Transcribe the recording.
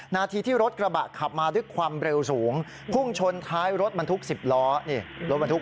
นาทีที่รถกระบะขับมาด้วยความเร็วสูงพุ่งชนท้ายรถบรรทุก๑๐ล้อนี่รถบรรทุก